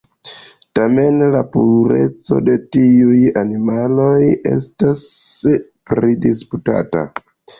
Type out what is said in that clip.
Tamen, la pureco de tiuj animaloj estas pridisputata.